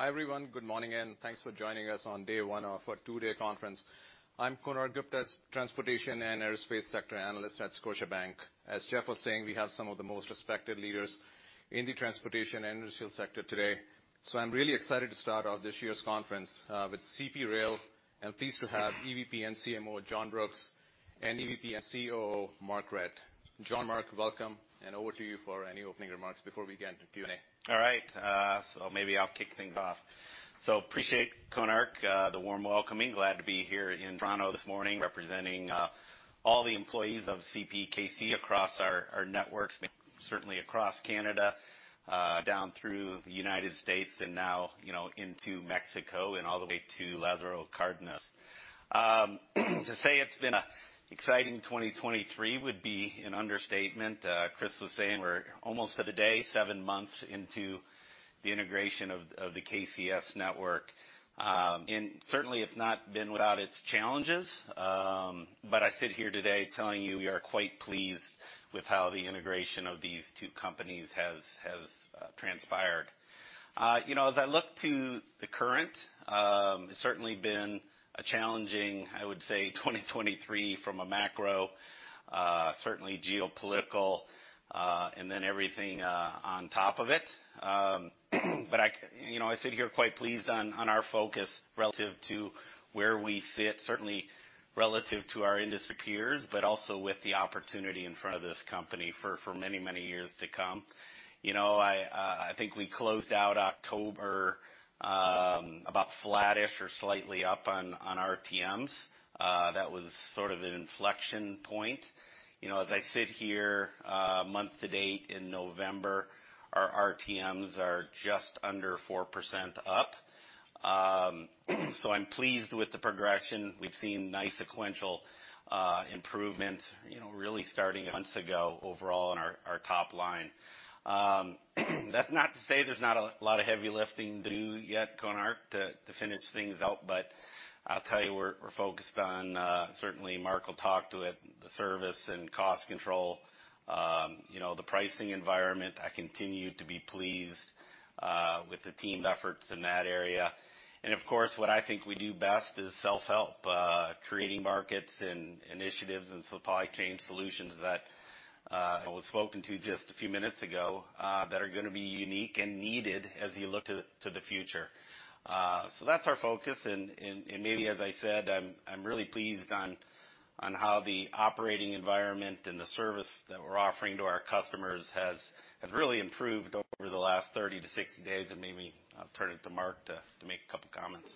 Hi, everyone. Good morning, and thanks for joining us on day one of our two-day conference. I'm Konark Gupta, Transportation and Aerospace Sector Analyst at Scotiabank. As Jeff was saying, we have some of the most respected leaders in the transportation and industrial sector today. I'm really excited to start off this year's conference with CP Rail, and pleased to have EVP and CMO, John Brooks, and EVP and COO, Mark Redd. John, Mark, welcome, and over to you for any opening remarks before we get into Q&A. All right, so maybe I'll kick things off. Appreciate, Konark, the warm welcoming. Glad to be here in Toronto this morning, representing all the employees of CPKC across our networks, certainly across Canada, down through the United States, and now, you know, into Mexico and all the way to Lázaro Cárdenas. To say it's been a exciting 2023 would be an understatement. Chris was saying we're almost, for today, 7 months into the integration of the KCS network. Certainly it's not been without its challenges, but I sit here today telling you we are quite pleased with how the integration of these two companies has transpired. You know, as I look to the current, it's certainly been a challenging, I would say, 2023 from a macro, certainly geopolitical, and then everything on top of it. But I, you know, I sit here quite pleased on our focus relative to where we sit, certainly relative to our industry peers, but also with the opportunity in front of this company for many, many years to come. You know, I think we closed out October, about flattish or slightly up on RTMs. That was sort of an inflection point. You know, as I sit here, month to date in November, our RTMs are just under 4% up. So I'm pleased with the progression. We've seen nice sequential improvement, you know, really starting months ago overall on our top line. That's not to say there's not a lot of heavy lifting to do yet, Konark, to finish things out, but I'll tell you, we're focused on, certainly Mark will talk to it, the service and cost control, you know, the pricing environment. I continue to be pleased with the team's efforts in that area. And of course, what I think we do best is self-help, creating markets and initiatives and supply chain solutions that was spoken to just a few minutes ago, that are gonna be unique and needed as you look to the future. So that's our focus, and maybe as I said, I'm really pleased on how the operating environment and the service that we're offering to our customers has really improved over the last 30-60 days. Maybe I'll turn it to Mark to make a couple comments.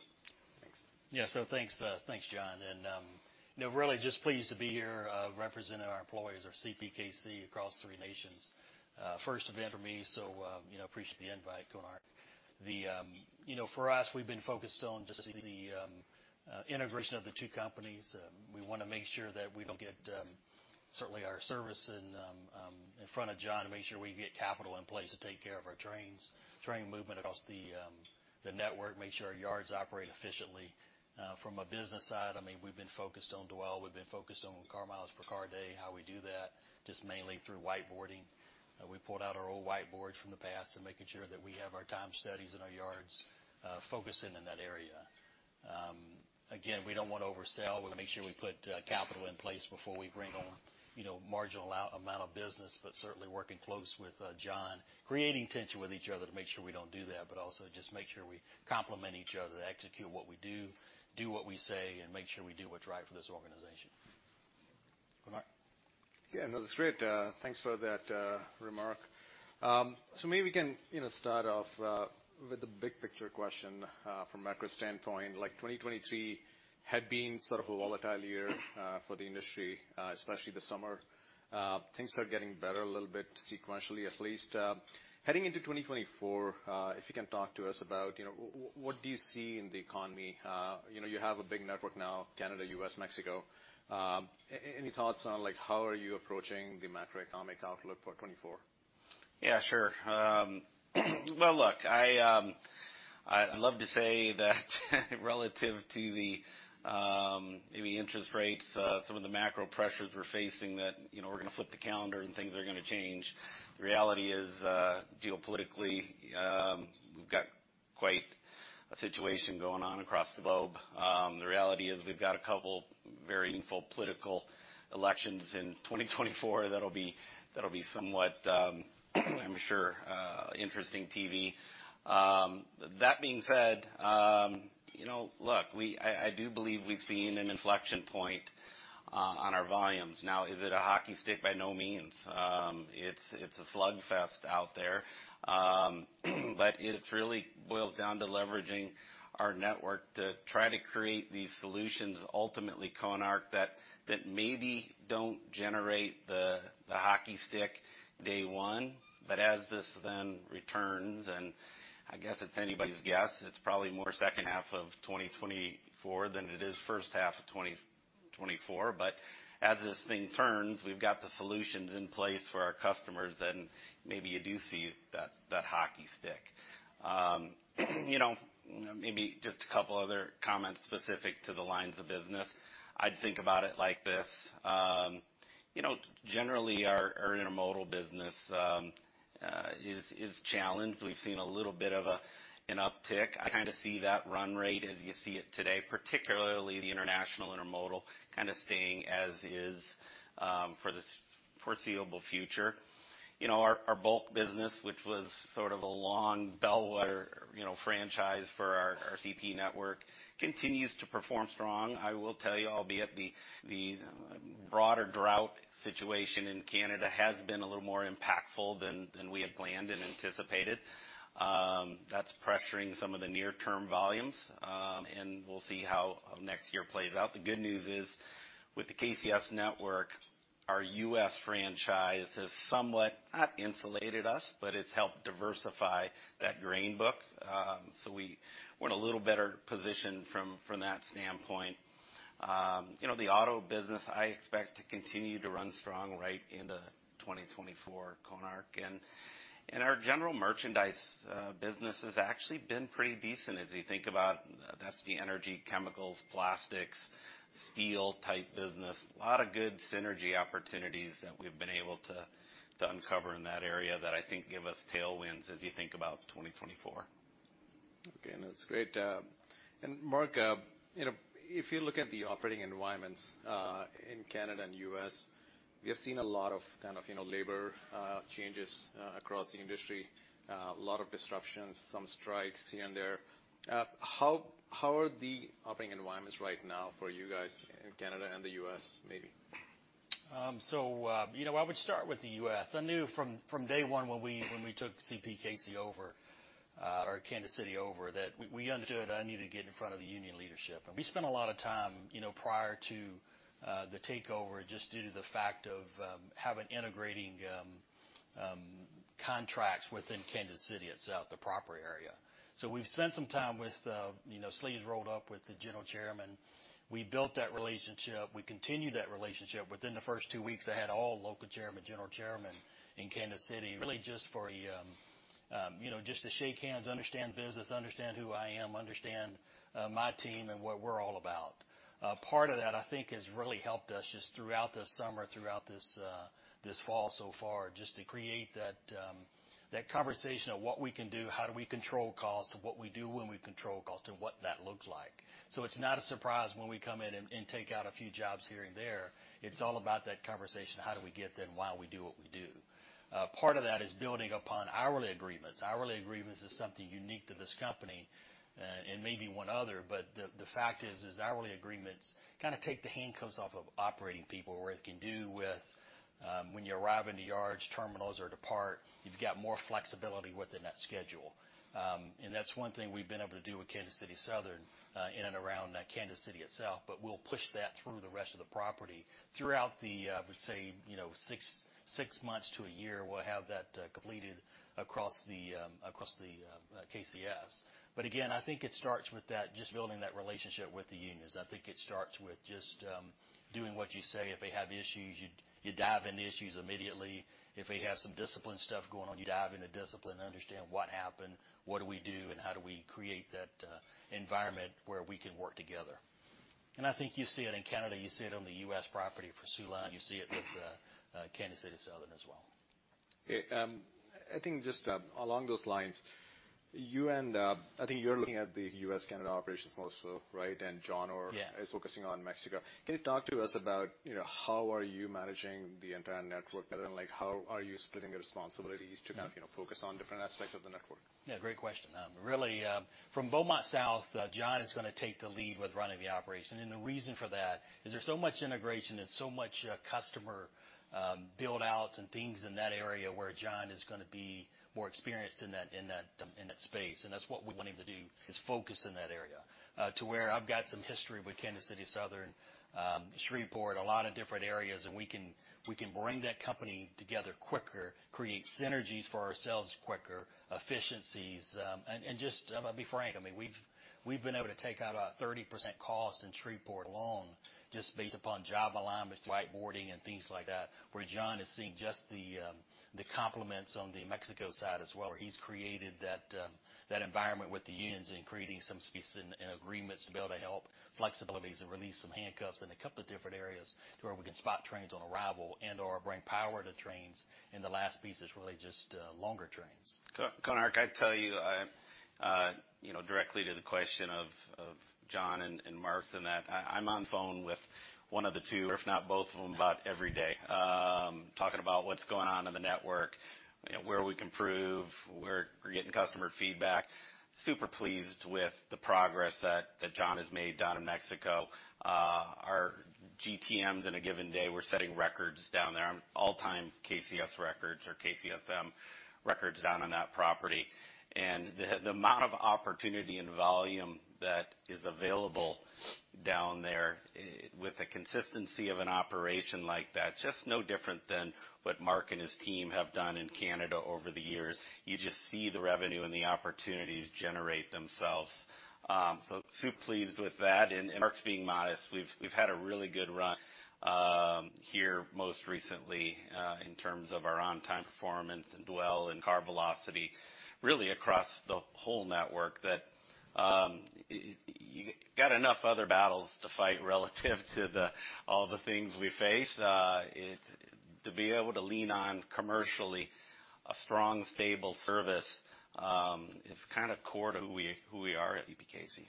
Thanks. Yeah. So thanks, John. And, you know, really just pleased to be here, representing our employees of CPKC across three nations. First event for me, so, you know, appreciate the invite, Konark. You know, for us, we've been focused on just the integration of the two companies. We wanna make sure that we don't get, certainly our service and, in front of John to make sure we get capital in place to take care of our trains, train movement across the, the network, make sure our yards operate efficiently. From a business side, I mean, we've been focused on dwell. We've been focused on car miles per car day, how we do that, just mainly through whiteboarding. We pulled out our old whiteboards from the past and making sure that we have our time studies in our yards, focusing in that area. Again, we don't want to oversell. We make sure we put capital in place before we bring on, you know, marginal amount of business, but certainly working close with John, creating tension with each other to make sure we don't do that, but also just make sure we complement each other to execute what we do, do what we say, and make sure we do what's right for this organization. Konark? Yeah, no, that's great. Thanks for that remark. So maybe we can, you know, start off with the big picture question from a macro standpoint. Like, 2023 had been sort of a volatile year for the industry, especially the summer. Things are getting better a little bit, sequentially, at least. Heading into 2024, if you can talk to us about, you know, what do you see in the economy? You know, you have a big network now, Canada, U.S., Mexico. Any thoughts on, like, how are you approaching the macroeconomic outlook for 2024? Yeah, sure. Well, look, I, I'd love to say that relative to the, maybe interest rates, some of the macro pressures we're facing, that, you know, we're gonna flip the calendar and things are gonna change. The reality is, geopolitically, we've got quite a situation going on across the globe. The reality is we've got a couple very full political elections in 2024 that'll be, that'll be somewhat, I'm sure, interesting TV. That being said, you know, look, we, I, I do believe we've seen an inflection point, on our volumes. Now, is it a hockey stick? By no means. It's, it's a slugfest out there. But it really boils down to leveraging our network to try to create these solutions, ultimately, Konark, that maybe don't generate the hockey stick day one, but as this then returns, and I guess it's anybody's guess, it's probably more second half of 2024 than it is first half of 2024. But as this thing turns, we've got the solutions in place for our customers, and maybe you do see that hockey stick. You know, maybe just a couple other comments specific to the lines of business. I'd think about it like this. You know, generally, our intermodal business is challenged. We've seen a little bit of an uptick. I kind of see that run rate as you see it today, particularly the international intermodal, kind of staying as is, for the foreseeable future. You know, our bulk business, which was sort of a long bellwether, you know, franchise for our CP network, continues to perform strong. I will tell you, albeit the broader drought situation in Canada has been a little more impactful than we had planned and anticipated. That's pressuring some of the near-term volumes, and we'll see how next year plays out. The good news is, with the KCS network, our U.S. franchise has somewhat, not insulated us, but it's helped diversify that grain book. So we're in a little better position from that standpoint. You know, the auto business, I expect to continue to run strong right into 2024, Konark, and our general merchandise business has actually been pretty decent as you think about, that's the energy, chemicals, plastics, steel-type business. A lot of good synergy opportunities that we've been able to uncover in that area that I think give us tailwinds as you think about 2024. Okay, that's great. And Mark, you know, if you look at the operating environments in Canada and the U.S., we have seen a lot of kind of, you know, labor changes across the industry, a lot of disruptions, some strikes here and there. How are the operating environments right now for you guys in Canada and the U.S., maybe? So, you know, I would start with the U.S. I knew from day one when we took CPKC over, or Kansas City over, that we understood I needed to get in front of the union leadership. We spent a lot of time, you know, prior to the takeover, just due to the fact of having integrating contracts within Kansas City itself, the property area. We've spent some time with, you know, sleeves rolled up with the general chairman. We built that relationship, we continued that relationship. Within the first two weeks, I had all local chairman, general chairman in Kansas City, really just for a, you know, just to shake hands, understand the business, understand who I am, understand my team and what we're all about. Part of that, I think, has really helped us just throughout this summer, throughout this, this fall so far, just to create that, that conversation of what we can do, how do we control costs, to what we do when we control costs, and what that looks like. So it's not a surprise when we come in and take out a few jobs here and there. It's all about that conversation, how do we get there, and why we do what we do? Part of that is building upon hourly agreements. Hourly agreements is something unique to this company, and maybe one other, but the fact is hourly agreements kind of take the handcuffs off of operating people, where it can do with, when you arrive in the yards, terminals, or depart, you've got more flexibility within that schedule. That's one thing we've been able to do with Kansas City Southern, in and around Kansas City itself, but we'll push that through the rest of the property. Throughout, I would say, you know, 6, 6 months to a year, we'll have that completed across the KCS. But again, I think it starts with that, just building that relationship with the unions. I think it starts with just doing what you say. If they have issues, you dive into issues immediately. If they have some discipline stuff going on, you dive into discipline, understand what happened, what do we do, and how do we create that environment where we can work together. I think you see it in Canada, you see it on the U.S. property for Soo Line, you see it with Kansas City Southern as well. Okay, I think just along those lines, you and, I think you're looking at the U.S., Canada operations mostly, right? And John or- Yes. Is focusing on Mexico. Can you talk to us about, you know, how are you managing the entire network, and then, like, how are you splitting the responsibilities to kind of, you know, focus on different aspects of the network? Yeah, great question. Really, from Beaumont South, John is gonna take the lead with running the operation, and the reason for that is there's so much integration and so much customer build outs and things in that area where John is gonna be more experienced in that space, and that's what we want him to do, is focus in that area. To where I've got some history with Kansas City Southern, Shreveport, a lot of different areas, and we can bring that company together quicker, create synergies for ourselves quicker, efficiencies, and just, I'm gonna be frank, I mean, we've been able to take out about 30% cost in Shreveport alone, just based upon job alignment, whiteboarding, and things like that, where John is seeing just the complements on the Mexico side as well, where he's created that environment with the unions and creating some space and agreements to be able to help flexibilities and release some handcuffs in a couple of different areas, to where we can spot trains on arrival and/or bring power to trains, and the last piece is really just longer trains. Konark, I'd tell you, I, you know, directly to the question of John and Mark, in that I, I'm on phone with one of the two, or if not both of them, about every day, talking about what's going on in the network, you know, where we can improve, where we're getting customer feedback. Super pleased with the progress that John has made down in Mexico. Our GTMs in a given day, we're setting records down there, all-time KCS records or KCSM records down on that property. And the amount of opportunity and volume that is available down there, with the consistency of an operation like that, just no different than what Mark and his team have done in Canada over the years. You just see the revenue and the opportunities generate themselves. So super pleased with that, and, and Mark's being modest. We've, we've had a really good run, here most recently, in terms of our on-time performance and dwell and car velocity, really across the whole network, that, you got enough other battles to fight relative to the, all the things we face. To be able to lean on commercially a strong, stable service, is kind of core to who we, who we are at CPKC.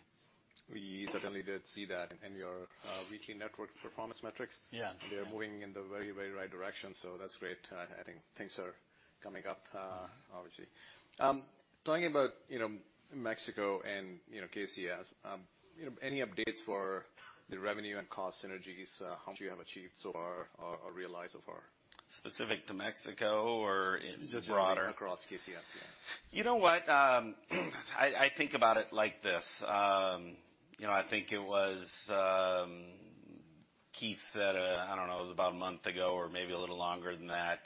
We certainly did see that in your weekly network performance metrics. Yeah. They are moving in the very, very right direction, so that's great. I think things are coming up, obviously. Talking about, you know, Mexico and, you know, KCS, you know, any updates for the revenue and cost synergies, how much you have achieved so far or realized so far? Specific to Mexico or in broader? Just across KCS, yeah. You know what? I think about it like this. You know, I think it was Keith said, I don't know, it was about a month ago or maybe a little longer than that,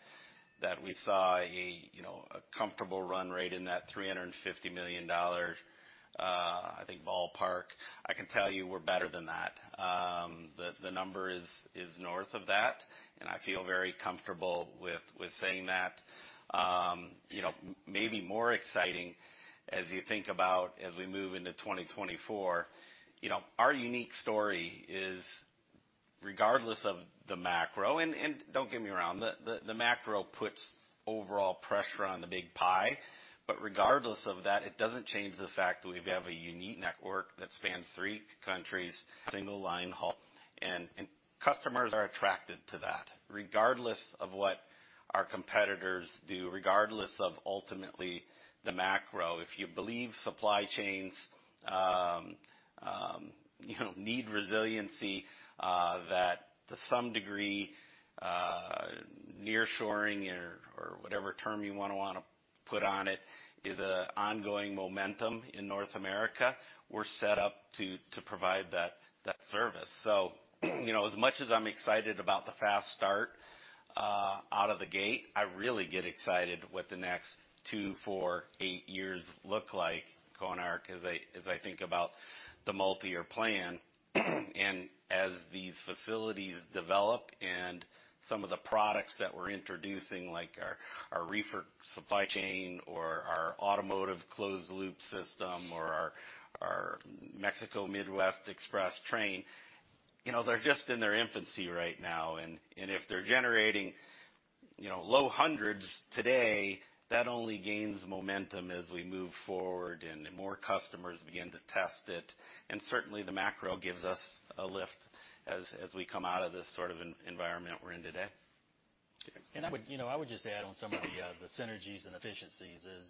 that we saw a, you know, a comfortable run rate in that $350 million, I think, ballpark. I can tell you we're better than that. The number is north of that, and I feel very comfortable with saying that. You know, maybe more exciting as you think about as we move into 2024, you know, our unique story is regardless of the macro, and don't get me wrong, the macro puts overall pressure on the big pie. But regardless of that, it doesn't change the fact that we have a unique network that spans three countries, single line haul, and customers are attracted to that. Regardless of what our competitors do, regardless of ultimately the macro, if you believe supply chains, you know, need resiliency, that to some degree, nearshoring or whatever term you wanna put on it, is an ongoing momentum in North America, we're set up to provide that service. So, you know, as much as I'm excited about the fast start out of the gate, I really get excited what the next 2, 4, 8 years look like, Konark, as I think about the multiyear plan. As these facilities develop and some of the products that we're introducing, like our reefer supply chain, or our automotive closed loop system, or our Mexico Midwest Express train, you know, they're just in their infancy right now, and if they're generating, you know, low hundreds today, that only gains momentum as we move forward and more customers begin to test it. Certainly, the macro gives us a lift as we come out of this sort of economic environment we're in today. Okay. I would, you know, I would just add on some of the, the synergies and efficiencies is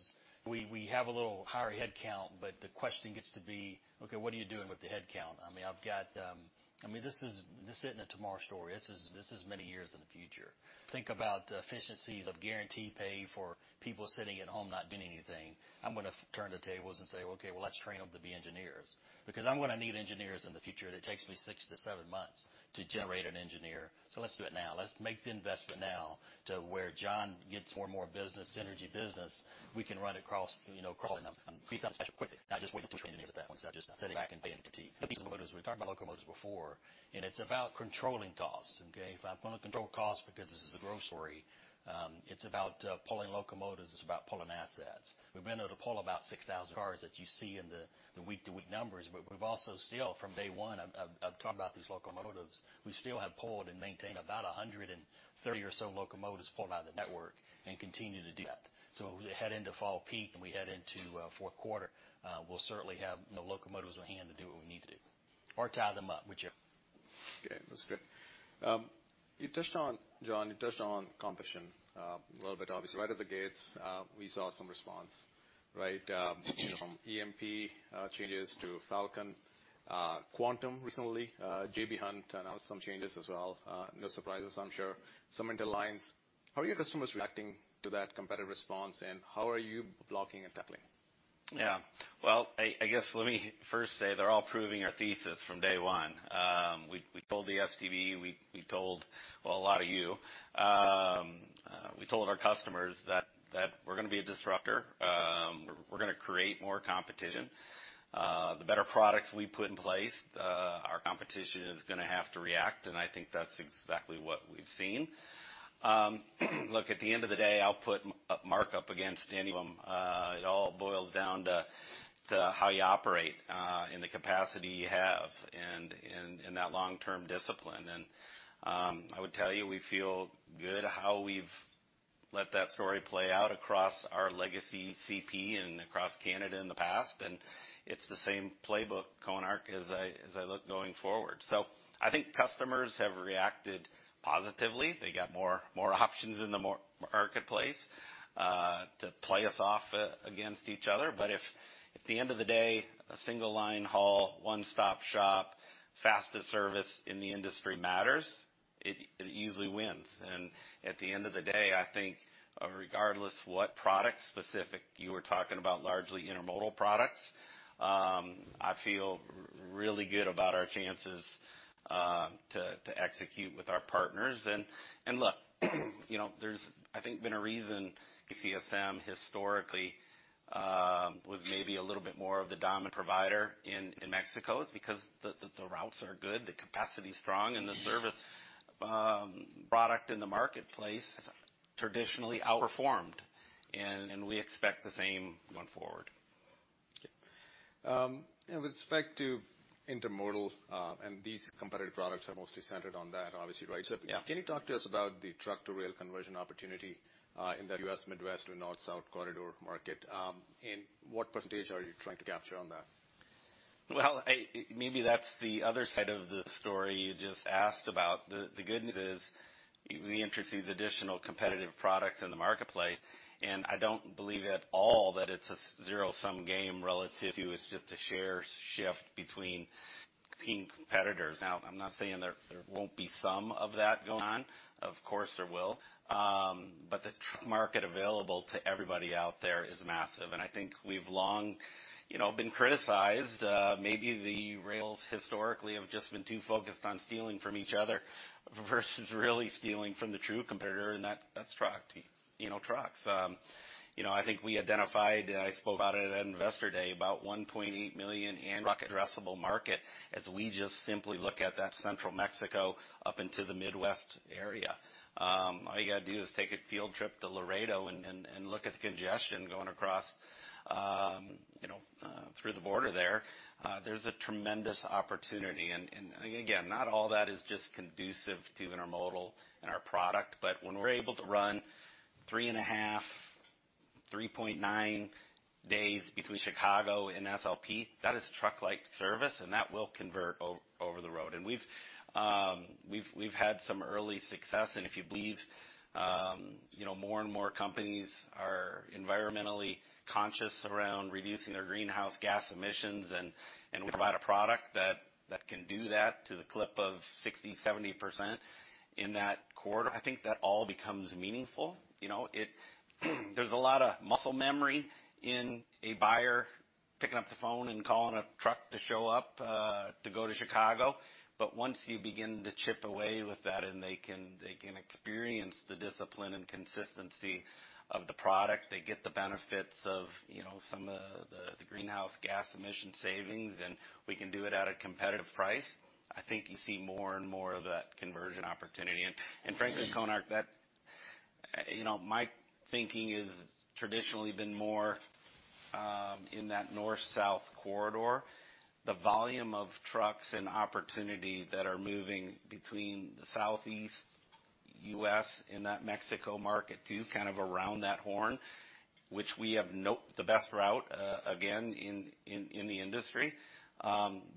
we, we have a little higher headcount, but the question gets to be, okay, what are you doing with the headcount? I mean, I've got, I mean, this is, this isn't a tomorrow story. This is, this is many years in the future. Think about the efficiencies of guaranteed pay for people sitting at home, not doing anything. I'm gonna turn the tables and say, "Okay, well, let's train them to be engineers, because I'm gonna need engineers in the future, and it takes me 6-7 months to generate an engineer. So let's do it now. Let's make the investment now to where John gets more and more business, synergy business, we can run it across, you know, across quickly, not just waiting for engineers at that point, so just sitting back and paying fatigue. We talked about locomotives before, and it's about controlling costs, okay? If I'm gonna control costs because this is a growth story, it's about pulling locomotives. It's about pulling assets. We've been able to pull about 6,000 cars that you see in the week-to-week numbers, but we've also still, from day one, I've talked about these locomotives. We still have pulled and maintained about 130 or so locomotives pulled out of the network and continue to do that. So as we head into fall peak, and we head into fourth quarter, we'll certainly have the locomotives on hand to do what we need to do, or tie them up, whichever. Okay, that's great. You touched on, John, you touched on competition a little bit. Obviously, right out the gates, we saw some response, right? You know, from EMP, changes to Falcon, Quantum recently, J.B. Hunt announced some changes as well. No surprises, I'm sure. Some interlines. How are your customers reacting to that competitive response, and how are you blocking and tackling? Yeah. Well, I guess let me first say they're all proving our thesis from day one. We told the STB. We told, well, a lot of you, we told our customers that we're gonna be a disruptor. We're gonna create more competition. The better products we put in place, our competition is gonna have to react, and I think that's exactly what we've seen. Look, at the end of the day, I'll put a markup against any of them. It all boils down to how you operate, and the capacity you have and that long-term discipline. I would tell you, we feel good how we've let that story play out across our legacy CP and across Canada in the past, and it's the same playbook, Konark, as I look going forward. So I think customers have reacted positively. They got more options in the more marketplace, to play us off against each other. But if, at the end of the day, a single line haul, one-stop shop, fastest service in the industry matters, it usually wins. And at the end of the day, I think, regardless what product specific, you were talking about largely intermodal products, I feel really good about our chances, to execute with our partners. And look, you know, there's, I think, been a reason KCSM historically was maybe a little bit more of the dominant provider in Mexico. It's because the routes are good, the capacity is strong, and the service product in the marketplace traditionally outperformed, and we expect the same going forward. And with respect to intermodal, and these competitive products are mostly centered on that, obviously, right? Yeah. Can you talk to us about the truck-to-rail conversion opportunity in the U.S. Midwest and North-South Corridor market? And what percentage are you trying to capture on that? Well, I maybe that's the other side of the story you just asked about. The good news is, we introduced additional competitive products in the marketplace, and I don't believe at all that it's a zero-sum game relative to, it's just a share shift between key competitors. Now, I'm not saying there won't be some of that going on, of course, there will. But the truck market available to everybody out there is massive, and I think we've long, you know, been criticized. Maybe the rails historically have just been too focused on stealing from each other versus really stealing from the true competitor, and that's truck, you know, trucks. You know, I think we identified, I spoke about it at Investor Day, about $1.8 million annual addressable market, as we just simply look at that central Mexico up into the Midwest area. All you gotta do is take a field trip to Laredo and look at the congestion going across, you know, through the border there. There's a tremendous opportunity, and again, not all that is just conducive to intermodal and our product, but when we're able to run 3.5, 3.9 days between Chicago and SLP, that is truck-like service, and that will convert over the road. And we've had some early success, and if you believe, you know, more and more companies are environmentally conscious around reducing their greenhouse gas emissions, and we provide a product that can do that to the clip of 60%-70% in that quarter, I think that all becomes meaningful. You know, there's a lot of muscle memory in a buyer picking up the phone and calling a truck to show up to go to Chicago. But once you begin to chip away with that, and they can experience the discipline and consistency of the product, they get the benefits of, you know, some of the greenhouse gas emission savings, and we can do it at a competitive price, I think you see more and more of that conversion opportunity. And frankly, Konark, that, you know, my thinking is traditionally been more, in that North-South corridor. The volume of trucks and opportunity that are moving between the Southeast U.S. and that Mexico market, too, kind of around that horn, which we have not the best route, again, in the industry,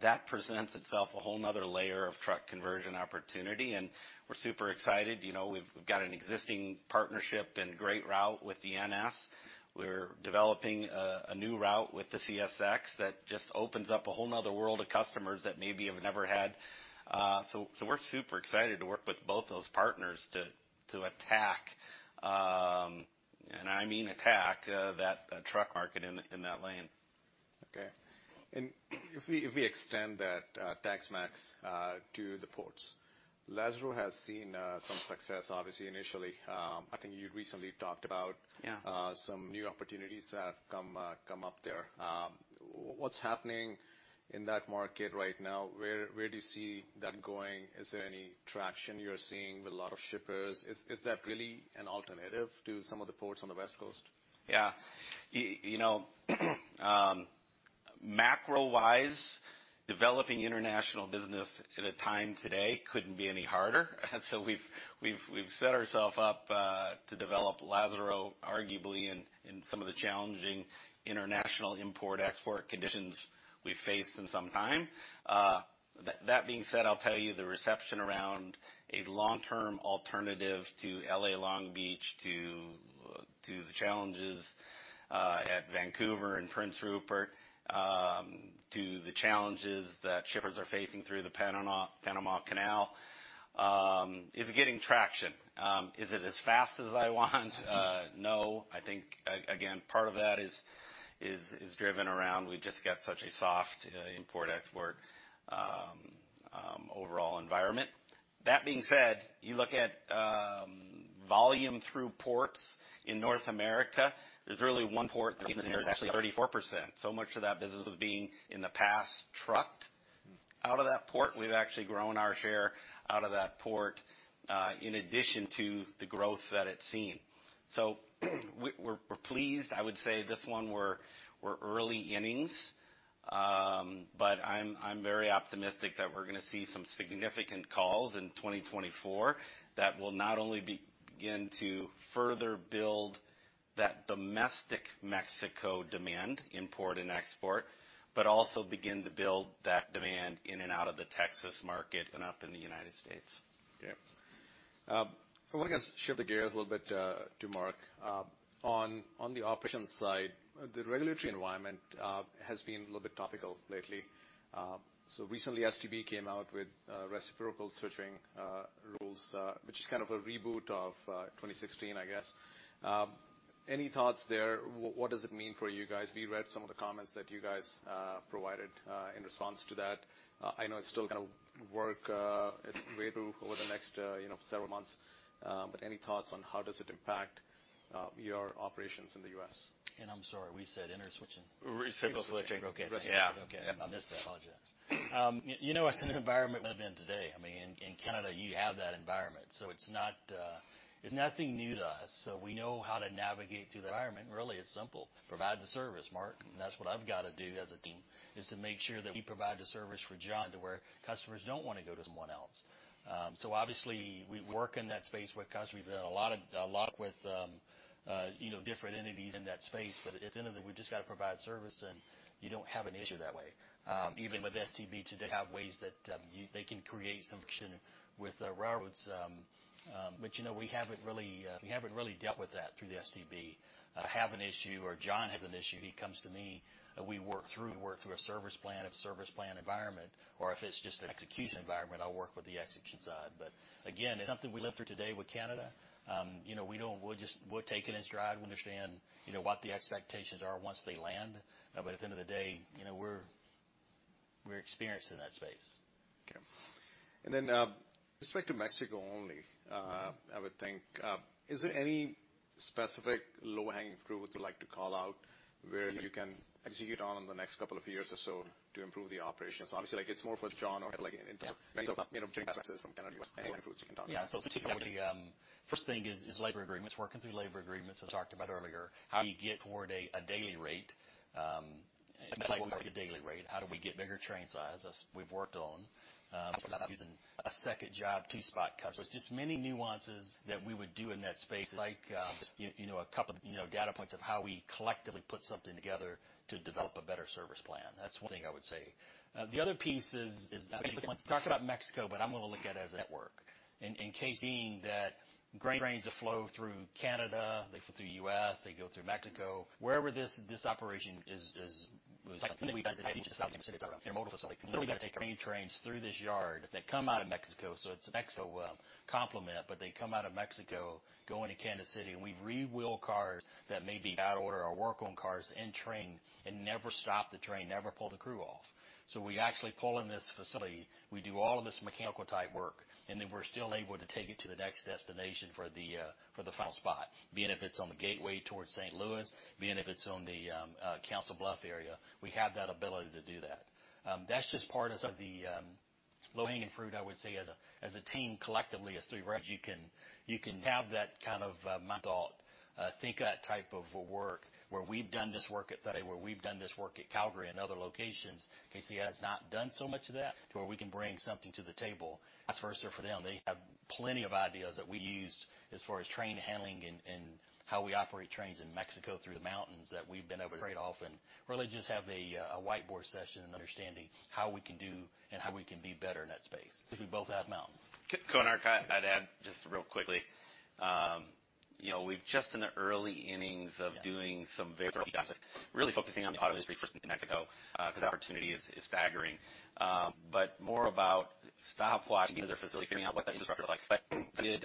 that presents itself a whole another layer of truck conversion opportunity, and we're super excited. You know, we've got an existing partnership and great route with the NS. We're developing a new route with the CSX that just opens up a whole another world of customers that maybe have never had. So we're super excited to work with both those partners to attack, and I mean, attack, that truck market in that lane. Okay. If we extend that access to the ports, Lázaro has seen some success, obviously, initially. I think you recently talked about- Yeah -some new opportunities that have come up there. What's happening in that market right now? Where do you see that going? Is there any traction you're seeing with a lot of shippers? Is that really an alternative to some of the ports on the West Coast? Yeah. You know, macro-wise, developing international business at a time today couldn't be any harder. So we've set ourselves up to develop Lázaro, arguably, in some of the challenging international import/export conditions we've faced in some time. That being said, I'll tell you, the reception around a long-term alternative to L.A. Long Beach, to the challenges at Vancouver and Prince Rupert, to the challenges that shippers are facing through the Panama Canal, is getting traction. Is it as fast as I want? No. I think, again, part of that is driven around we've just got such a soft import/export overall environment. That being said, you look at volume through ports in North America, there's really one port that is actually 34%. So much of that business of being in the past, trucked out of that port, we've actually grown our share out of that port, in addition to the growth that it's seen. So we're pleased. I would say this one, we're early innings, but I'm very optimistic that we're gonna see some significant calls in 2024 that will not only begin to further build that domestic Mexico demand, import and export, but also begin to build that demand in and out of the Texas market and up in the United States. Yeah. I want to shift the gears a little bit to Mark. On the operations side, the regulatory environment has been a little bit topical lately. So recently, STB came out with reciprocal switching rules, which is kind of a reboot of 2016, I guess. Any thoughts there? What does it mean for you guys? We read some of the comments that you guys provided in response to that. I know it's still gonna work its way through over the next, you know, several months, but any thoughts on how does it impact your operations in the U.S.? I'm sorry, we said interswitching. Reciprocal switching. Okay. Yeah. Okay, I missed that. I apologize. You know, it's an environment we've been in today. I mean, in Canada, you have that environment, so it's not, it's nothing new to us, so we know how to navigate through the environment. Really, it's simple: provide the service, Mark, and that's what I've got to do as a team, is to make sure that we provide the service for John, to where customers don't want to go to someone else. So obviously, we work in that space with customers. We've done a lot of, a lot with, you know, different entities in that space, but at the end of the day, we just got to provide service and you don't have an issue that way. Even with STB, too, they have ways that, you—they can create some friction with the railroads. But, you know, we haven't really dealt with that through the STB. I have an issue or John has an issue, he comes to me, and we work through, work through a service plan, a service plan environment, or if it's just an execution environment, I'll work with the execution side. But again, something we live through today with Canada, you know, we don't—we'll just, we'll take it as drive to understand, you know, what the expectations are once they land. But at the end of the day, you know, we're, we're experienced in that space. Okay. And then, just back to Mexico only, I would think, is there any specific low-hanging fruit you would like to call out where you can execute on in the next couple of years or so to improve the operations? Obviously, like it's more for John or like, you know, from Canada, any fruits you can talk about. Yeah. So the first thing is labor agreements, working through labor agreements, as I talked about earlier. How do you get toward a daily rate? Like a daily rate, how do we get bigger train size, as we've worked on? Using a second job, two-spot cuts. There's just many nuances that we would do in that space. Like, you know, a couple, you know, data points of how we collectively put something together to develop a better service plan. That's one thing I would say. The other piece is talk about Mexico, but I'm going to look at it as a network. In KCS, that grain trains that flow through Canada, they flow through U.S., they go through Mexico. Wherever this operation is like intermodal facility. Grain trains through this yard that come out of Mexico, so it's Mexico, complement, but they come out of Mexico, going to Kansas City, and we re-wheel cars that may be out of order or work on cars and train and never stop the train, never pull the crew off. So we actually pull in this facility, we do all of this mechanical type work, and then we're still able to take it to the next destination for the, for the final spot, being if it's on the gateway towards St. Louis, being if it's on the, Council Bluffs area, we have that ability to do that. That's just part of the, low-hanging fruit, I would say, as a, as a team, collectively, as three, right? You can, you can have that kind of mind thought, think that type of work, where we've done this work at today, where we've done this work at Calgary and other locations. KCS has not done so much of that, to where we can bring something to the table. As far as for them, they have plenty of ideas that we used as far as train handling and how we operate trains in Mexico through the mountains, that we've been able to trade off and really just have a whiteboard session and understanding how we can do and how we can be better in that space. Because we both have mountains. Konark, I'd add just real quickly, you know, we've just in the early innings of doing some very, really focusing on the industry first in Mexico, the opportunity is staggering. But more about still watching their facility, figuring out what that industry did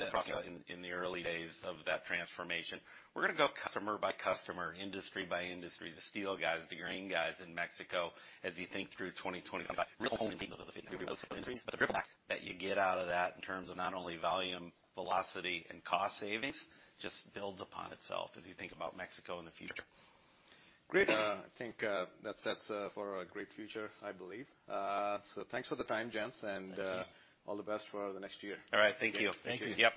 in the early days of that transformation. We're going to go customer by customer, industry by industry, the steel guys, the grain guys in Mexico, as you think through 2020. That you get out of that in terms of not only volume, velocity, and cost savings, just builds upon itself as you think about Mexico in the future. Great. I think that sets for a great future, I believe. So thanks for the time, gents, and all the best for the next year. All right, thank you. Thank you. Yep.